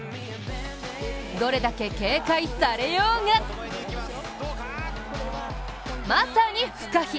どれだけ警戒されようがまさに不可避。